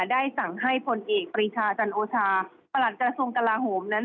ได้สั่งให้ผลเอกปรีชาจันโอชาประหลัดกระทรวงกลาโหมนั้น